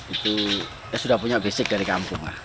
itu sudah punya basic dari kampung lah